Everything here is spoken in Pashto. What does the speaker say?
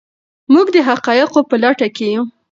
موږ د حقایقو په لټه کې یو.